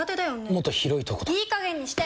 もっと広いところとかいい加減にして！